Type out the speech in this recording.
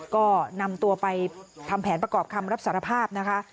ก็นำตัวไปทำแผนประกอบคำรับสารภาพนะคะ